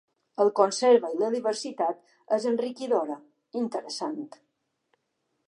El conserva i la diversitat és enriquidora; interessant.